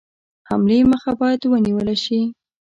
حملې مخه باید ونیوله شي.